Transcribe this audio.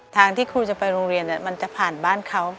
ทางที่ครูจะไปโรงเรียนมันจะผ่านบ้านเขา